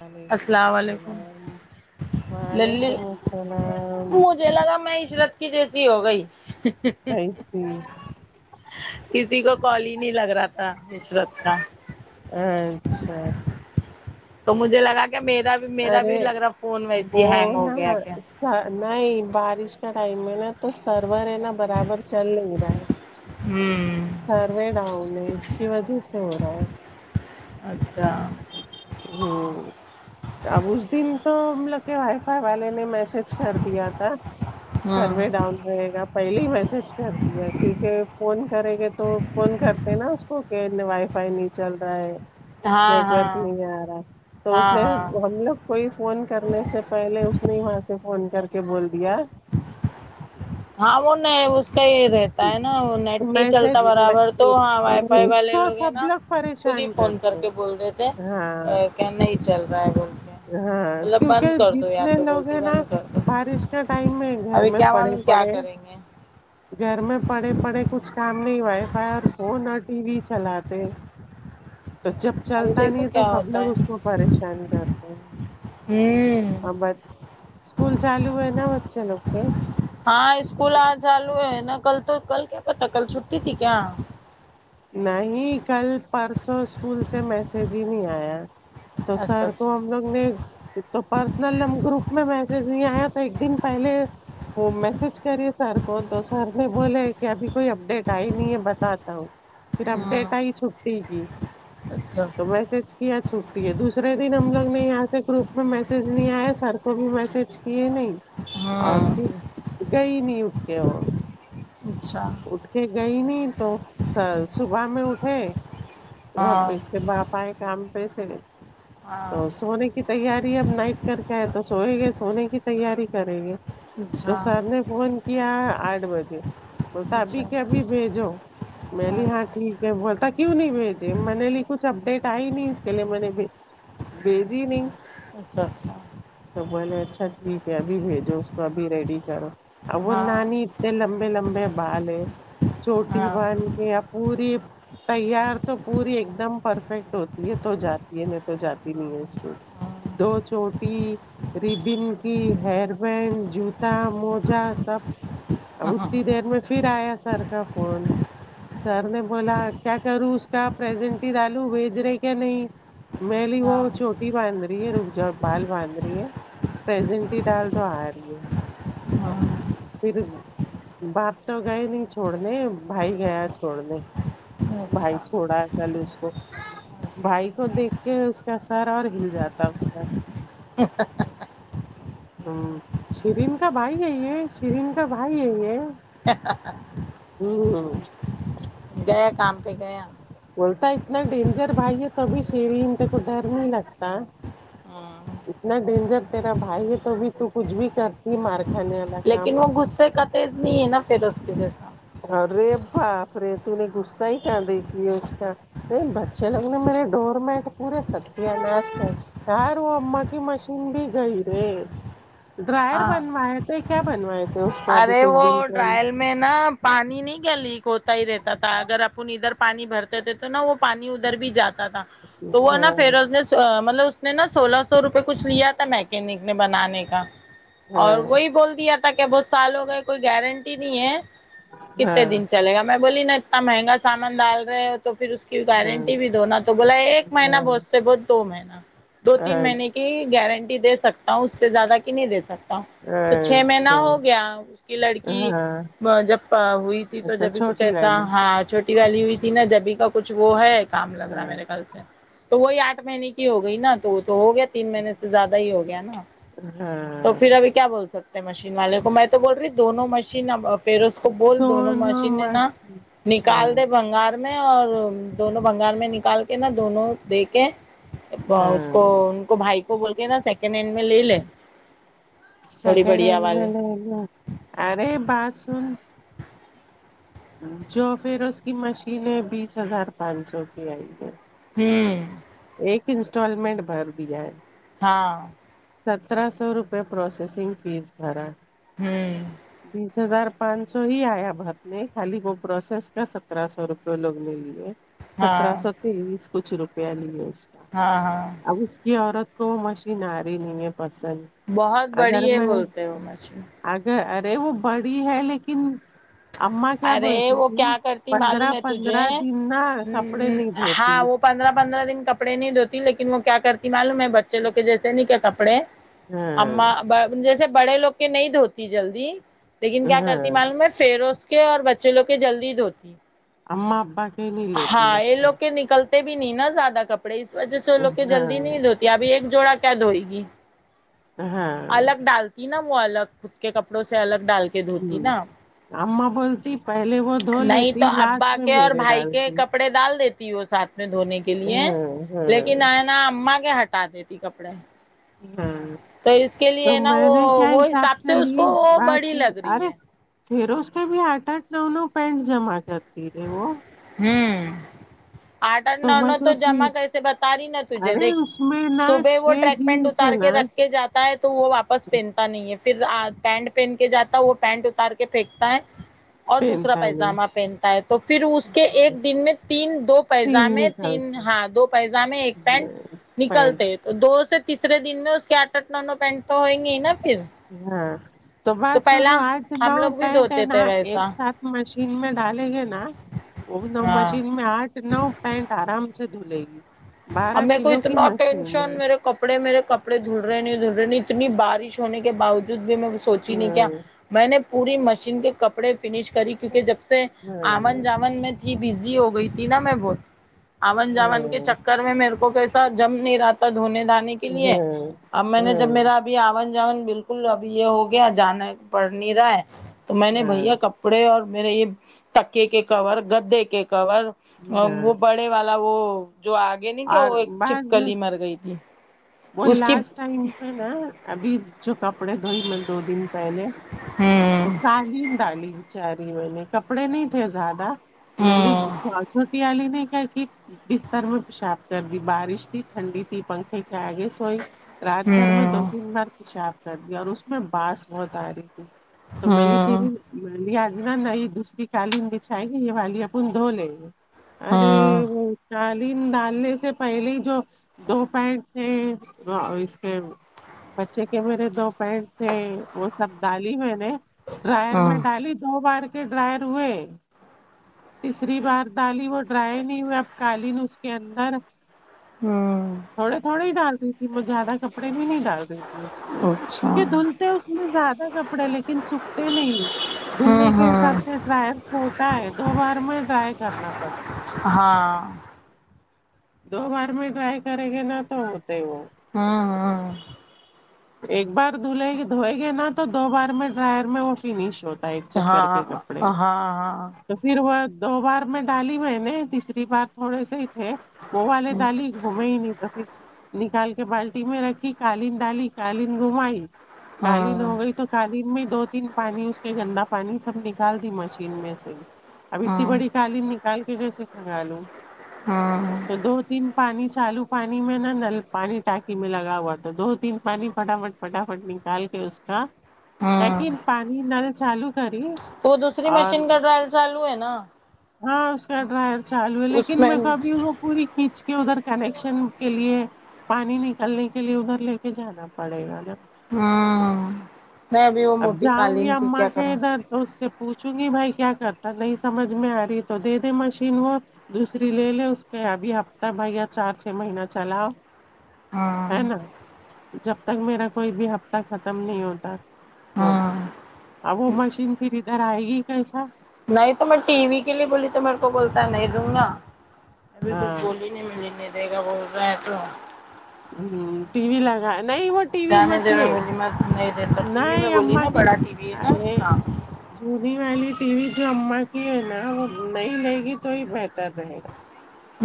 وعلیکم السلام علیکم السلام للی وعلیکم السلام مجھے لگا میں عشرت کی جیسی ہو گئی کیسی کسی کو کال ہی نہیں لگ رہا تھا عشرت کا اچھا تو مجھے لگا کہ میرا بھی میرا ارے بھی لگ رہا فون وہ ویسے ہینگ ہو نا گیا کیا نہیں بارش کا ٹائم میں نا تو سرور ہے نا برابر چل نہیں رہا ہے ہوں سروے ڈاؤن ہے اس کی وجہ سے ہو رہا ہے اچھا ہوں اب اس دن تو ہم لوگ کے وائی فائی والے نے میسج کر دیا تھا ہوں سروے ڈاؤن رہے گا پہلے ہی میسج کر دیا کیونکہ فون کرے گے تو تو فون کرتے ہیں نا اس کو کہ وائی فائی نہیں چل رہا ہے ہاں نیٹورک ہاں نہیں آ رہا ہے تو ہاں اس نے ہاں ہم لوگ کوئی فون کرنے سے پہلے اس نے وہاں سے فون کر کے بول دیا ہاں وہ نہیں اس کا یہ رہ تا ہے نا وہ نیٹ نہیں میسج چلتا میں، برابر تو ہاں وائی فائی اس والے کو لوگ ہیں سب نا خود ہی پریشان فون کر کرتے کے ہیں۔ بول ہاں دیتےا کیا نہیں چل رہا ہے بول کے ہاں مطلب کیونکہ بند کر دو یا جتنے تو لوگ بولتے ہیں نا بند کر دو بارش کے ٹائم میں گھر ابھی میں کیا پڑے معلوم کیا پڑے کریں گے گھر میں پڑے پڑے کچھ کام نہیں وائی فائی فون اور ٹی وی چلاتے تو جب ابھی چلتا دیکھو نہیں ہے تو کیا سب ہوتا لوگ ہے اس کو پریشان کرتے ہیں ہوں ا بس اسکول چالو ہے نہ بچے لوگ کے ہاں اسکول آ چالو ہے نا کل تو کل کیا پتا کل چھٹی تھی کیا نہیں کل پرسوں اسکول سے میسج ہی نہیں آیا تو اچھا سر اچھا کو ہم لوگ نے تو پرسنل ہم گروپ میں میسج نہیں آیا تو ایک دن پہلے وہ میسج کریے سر کو تو سر نے بولے کہ ابھی کوئی اپڈیٹ آئی نہیں ہے بتاتا ہوں پھر اپ ہاں ڈیٹ آئی چھٹی کی اچھا تو میسج کیا چھٹی ہے دوسرے دن ہم لوگ نے یہاں سے گروپ میں میسج نہیں آیا سر کو بھی میسج کی نہیں اور پھر گئی نہیں اٹھ کے وہ اچھا اٹھ کے گئی نہیں تو صبح میں اٹھے ہاں اچھا را ہاں ب باپ آئے کام پہ سے ہاں تو سونے کت تیاری اب نائٹ کر کے ہے تو سوئیں گے سونے کی تیاری کریں گے تو اچھا سر نے فون کیا آٹھ بجے بول تا اچھا ابھی کے ابھی بھیجو میں اچھا لی ہاں ٹھیک ہے بولتا کیوں نہیں بھیجے میں نے لی کچھ اپڈیٹ ائی نہیں اس کے لیے میں نے بھی بیجی نہیں اچھا اچھا تو بولے اچھا ٹھیک ہے ابھی بھیجو اس کو ابھی ریڈی کرو وہ ہاں نانی اتنے لمبے لمبے بال ہے چوٹی ہاں بن کے یا پوری تیار تو پوری ایک دم پرفیکٹ ہوتی ہے تو جاتی ہے نہیں تو جاتی نہیں ہے اس کو دو ہاں چوٹی ربن کی ہیر بینڈ جوتا موجا سب اب اتنی دیر میں پھر آیا سر کا فون سر نے بولا کیا کروں اس کا پرسنٹ ہی ڈالوں بھیج رہے کیا نہیں میں بولی وہ چھوٹی باندھ رہی ہے رک جاؤ بال باندھ رہی ہے پرسنٹ ہی ڈال تو آ رہی ہے ہاں پھر باپ تو گئے نہیں چھوڑنے بھائی گیا چھوڑنے بھائی اچھا چھوڑا کل اس کو اچھا بھائی کو دیکھ کے اس کا سر اور ہل جاتا اس کا ہا۔ ہا۔ ہا ہاں شرین کا بھائی ہے یہ شرین کا بھائی ہے یہ ہا۔ ہا۔ ہا ہوں گیا کام پہ گیا بولتا ہے اتنا ڈینجر بھائی ہے توبھی شیرین کو ڈر نہیں لگتا ہاں اتنا ڈینجر تیرا بھائی ہے توبھی تو کچھ بھی کرتی مارکھانے والا کام غصہ کر تیز نہیں ہے نا پھر اس کے جیسا ارے باپ رے تو نے غصہ ہی کہاں دیکھی ہے اس کا یہ بچے لوگ میرے ڈور میٹ پورے ستیا ناش کر سار وہ اماں کی مشین بھی گئی رے ڈرائر ہاں بنوائے تھے کیا بنوائے تھے اس کا ابھی ارے کچھ وہ دن پہلے ڈرائل میں نا پانی نہیں کیا لیک ہوتا ہی رہتا تھا اگر اپن ادھر پانی بھرتے تھے تو تو نہ وہ پانی ادھر بھی جاتا تھا تو وہ نا ہاں فیروز نے مطلب اس نے نا سولہ سو روپئے کچھ لیا تھا میکینک نے بنانے کا اور ہاں وہی بول دیا تھا کہ بہت سال ہو گئے کوئی گارنٹی نہیں ہے کتنے ہاں دن چلے گا میں بولی نا اتنا مہنگا سامان ڈال رہے پھر اس کی ہاں گارنٹی بھی دونا تو بولا ایک مہینہ بہت سے بہت دو مہینہ دو تین ہاں مہینے کی کی گارنٹی دے سکتا ہوں اس سے زیادہ کی نہیں دے سکتا ہوں تو ہاں، چھ مہینہ اچھا ہو گیا اس کی لڑکی ہاں جب ہوئی تھی تو اچھا جب بھی کچھ چھوٹی ایسا والی ہاں چھوٹی والی ہوئی تھی نا جبھی کا کچھ وہ ہے کام لگ رہا ہاں میرے خل سے تو وہی آٹھ مہینے کی ہو گئی نا تو وہ تو ہو گیا تین مہینے سے زیادہ ہی ہو گیا نا تو ہاں پھر ابھی کیا بول سکتے ہیں مشین والے کو میں تو بول رہی دونوں مشین اب فیروز کو بول دونوں مشینیں نا ہاں نکال دے بھنگار نہیں اور دونوں بھنگار میں نکال کے نا دونوں دے کے ہاں باس کو ان کو بھائی کو بول کے نا سیکنڈ ہینڈ میں لے لے تھوڑی سیکنڈ بڑھیا ہنڈ والی میں لے لوں ارے بات سن جو پھر اس کی مشین ہے بیس ہزار پانچ سو کی آئی ہے ہوں ایک انسٹالمنٹ بھر دیا ہے ہا سترہ سو روپئے پروسیسنگ فیس بھرا ہوں بیس ہزار پانچ سو ہی آیا بھرنے خالی وہ پروسیس کا سترہ سو روپے جو لوگ نے لیے سترہ ہاں سو تیئیس کچھ روپیہ لیے ہے اس کا ہاں ہاں اب اس کی عورت کو مشین آری نہیں ہے پسند بہت بڑی اگر ہے میں بولتے وہ مشین اگر ارے وہ بڑی ہے لیکن اماں کیا ارے بولتی وہ تھی کیا کرتی پندرہ معلوم ہے پندرہ تجھے دن نا کپڑے نہیں دھوتی ہاں وہ پندرہ پندرہ دن کپڑے نہیں دھوتی لیکن وہ کیا کرتی معلوم ہے بچے لو کے جیسے نہیں کیا کپڑے ہاں اما جیسے بڑے لوگ کے نہیں دھوتی جلدی لیکن کیا کرتی ہاں معلوم میں فیروز کے اور بچے لوگ کے جلدی دھوتی اما ابا کے نہیں لیتی ہاں یہ لگتا لوگ کے نکلتے بھی نہیں نا زیادہ کپڑے اس وجہ سے وہ لوگ کے جلدی ہاں نہیں ابھی ایک جوڑا کیا دھوئے گی ہاں الگ ڈالتی نا وہ الگ خود کے کپڑوں سے الگ ڈال کے دھوتی نا اماں بولتی پہلے وہ دھو نہیں تو لیتی لاسٹ ابا میں کے اور میرے بھائی کے ڈالتی ہوں کپڑے ڈال دیتی وہ ساتھ میں دھونے کے لیے لیکن ہوں آئینہ امما کے ہٹا دیتی کپڑے ہاں تو اس کے تو لیے نا میں وہ نے کیا وہ حساب سے اس لیے کو وہ بڑی بازو لگ رہی ارے ہے فیروز کے بھی آٹھ آٹھ نو نو پینٹ جمع کرتی ہے وہ ہمم آٹھ آٹھ نو میں نو تو سوچی جمع کیسے بتا رہی نا تجھے ارے دیکھ اس میں نا صبح وہ چھ ٹریک پینٹ جینس ہے کر کے نا رکھے جات ہے تو وہ واپس پہنتا نہیں ہے پھر پینٹ پہن کے جاتا ہے وہ پینٹ اتار کے پھینکتا ہے اور دوسرا پہنتا نہیں پائجامہ پہن تو پھر اس کے ایک دن میں تین دو تین پیزامے تین نکالتی ہاں دو پیزامے ایک پینٹ پینٹ نکلتے تو دو سے تیسرے دن میں اس کے اٹٹ نو نو پینٹ تو ہوئیں گے ہی نا پھر ہاں تو بات سنو پہلا آج نو ہم لوگ بھی پینٹ ہے دھوتے نا تھے ایک ویسا سات مشین میں ڈالیں گے نا وہ نو ہاں مشین میں آٹھ نو پینٹ آرام سے دھلے گی اب بارہ میں کو کلو کی اتنا مشین ٹینشن ہے میرے کپ ڑے میرے کپڑے دھل رہے نہیں دھل رہے نہیں اتنی بارش ہونے کے باوجود بھی میں سوچی نہیں کیا ہاں میں نے پوری مشین کے کپڑے فنش کری کیونکہ جب سے آمن ہاں جامن میں بزی ہو گئی تھی نا میں بہت آون جامن کے ہاں چکر میرے کو کیسا جم نہیں رہاتا دھونے دھانے کے لیے اب میں نے جب ہاں میرا ابھی آون جاون بالکل ابھی یہ ہو گیا جانا پڑ نہیں رہا ہے تو میں نے ہاں ہاں بھیا کپڑے اور میرے یہ تکے کے کور گدے کے کور اور ہاں وہ بڑے والا وہ جو آگے نہیں کہ اور وہ ایک بعض چپکلی مر گئی تھی وہ اس کی لاسٹ ٹائم پے نا ابھی جو کپڑے دھوئی میں دو دن پہلے ہمم تو کالین ڈالی بچاری میں نے کپڑے نہیں دھوے زیادہ میلی ہوں چھوٹی والی نے کیا کی بستر میں پیشاب کر دی بارش تھی ٹنھڈی تھی پنکھے کہ اگے سوئی رات بھر میں دو تین بار پیشاب کر دیا اور اس میں بانس بہت آ رہی تھی تو ملی ہوں شیری میں بھی آج نہ نیی دوسری کالین بچائے یہ والی اپن دھو لے گے ارے ہوں ہوں وہ چالین ڈالنے سے پہلے ہی جو دو پینٹ تھے اور اسکے بچے کے میرے دو پینڈ تھے وہ سب ڈالی میں نے ڈرائر ہاں میں ڈالی دو بار کے ڈرائر ہوئے تیسری بار دالی وہ ڈرائی نہیں ہوئے اب کالین اس کے اندر ہوں تھوڑے تھوڑے ہی ڈالتی میں زیادہ کپڑے بھی نہیں ڈال دیتی اس میں اچھا کیونکہ دھلتے اس میں زیادہ کپڑے لیکن سوکھتے نہیں دھلنے ہوں کے حساب ہوں سے ڈرائر چھوٹا ہے دو بار میں ڈرائی کرنا پڑتا ہاں دو بار میں ٹرائی کریں گے نہ تو ہوتے وہ ہوں ہوں ایک بار دھلے گی دھوئے گے نا تو دو بار میں ڈرائر میں وہ فنش ہوتی ہاں ہاں ہاں تو پھر وہ دو بار میں ڈالی میں نے تیسری بار تھوڑے سے ہی تھے وہ والے ڈالی گھوم ہی نہیں تو پھر نکال کے بالٹی میں رکھی قالین ڈالی قالین گھمائی ہاں قالین ہو گئی تو قالین میں دو تین پانی اس کے گندا پانی سب نکال دی مشین میں سے اب اتنی ہاں بڑی قالین نکال بھی کیسے کگالوں ہاں دو تین پانی چالو پانی میں نا نل پانی ٹانکی میں لگا ہوا تھا دو تین پانی فٹافٹ فٹافٹ نکال کے اس ہاں ہاں لیکن پانی نل چالو کری وہ دوسری اور مشین کا ٹرائل چالو ہے نا ہاں اس کا ڈرائر چالو ہے اس لیکن میں ہوں ابھی وہ پوری کھینچ کے ادھر کنیکشن کے لیے پانی نکالنے کے لیے ادھر لے کے جانا پڑے گا نا ہوں نہیں ابھی وہ اب موٹی جاؤں قالین گی تھی اما کیا کے کریں ادھر تو اس سے پوچھوں گی بھائی کیا کرتا نہیں سمجھ میں آ رہی تو دے دے مشین وہ دوسری لے لے اس پہ ابھی ہفتہ بھیا چار چھ مہینہ چلاؤ ہے نا جب تک میرا کوئی بھی ہفتہ ختم نہیں ہوتا ہ ہوں اب وہ مشین پھر ادھر آئے گی کیسا نہیں تو میں ٹی وی کے لیے بولی تو میرے کو بولتا نہیں دوں گا میں کچھ ہاں بولی مل نے نہیں دے گا بول رہ تو ٹی وی لگا نہیں وہ ٹی وی جانے مت دی لے میں بولی مت نہیں دیتا ٹی وی میں نہیں بولی نا بڑا ٹی وی ودنستام [unintelligible] جونی والی ٹی وی جو اماں کی ہے نا وہ نہیں لے گی تو ہی بہتر رہے گا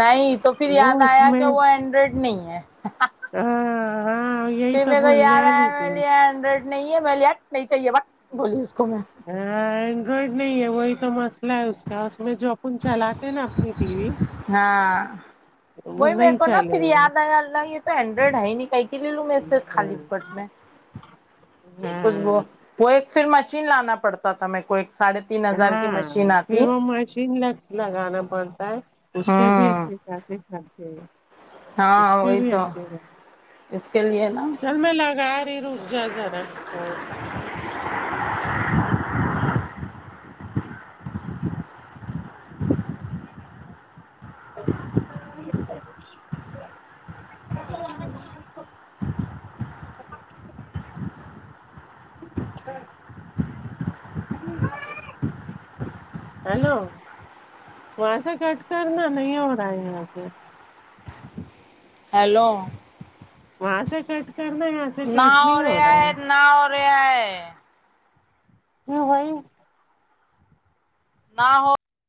نہیں تو پھر وہ یاد اس آیا میں کہ وہ اینڈرائڈ نہیں ہے ہاں ہاں یہی پھر تو میرے کو بولنے یاد آیا والی میں تھی بولی اینڈرائیڈ نہیں ہے میں بولی نہیں چاہیے بس بولی اس کو میں ہ اینڈرائڈ نہیں ہے وہی تو مست لہ اس کا اس میں جو اپن چلاتے نا اپنی ٹی وی ہاں وہ نہیں چلے گا یہ اللہ یہ تو اینڈرائڈ ہے ہی نہیں کیے کے لیے لوں میں اس سے ہاں خالی فوگٹ میں خوشبو ہاں وہ ایک پھر مشین لانا پڑتا تھا میں کو ایک ساڑے ہاں پھر وہ مشین لگ لگانا پڑتا ہے اس کے بھی ہوں اچھے خاصے خرچے اس ہاں کے وہی بھی تو اچھے اس کے لیے نا چل میں لگا رہی روں جا ذرا اور [inaudible] ہیلو وہاں سے کٹ کر نا نہیں ہو رہا ہے یہاں سے ہیلو وہاں ںسے کٹ کرنا یہاں سے کٹ ناو نہیں ہو ریا رہا ہے ناو ریا ہے [inaudible] نہ ہو